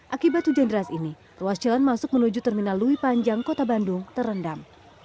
akibat hujan deras ini ruas jalan masuk menuju terminal lewi panjang kota bandung terendam